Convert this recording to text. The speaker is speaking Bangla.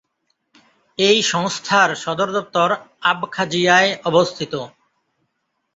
এই সংস্থার সদর দপ্তর আবখাজিয়ায় অবস্থিত।